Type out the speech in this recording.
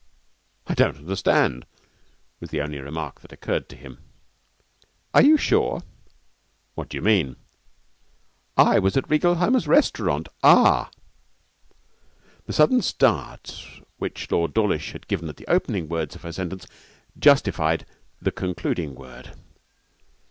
'I don't understand!' was the only remark that occurred to him. 'Are you sure?' 'What do you mean?' 'I was at Reigelheimer's Restaurant Ah!' The sudden start which Lord Dawlish had given at the opening words of her sentence justified the concluding word.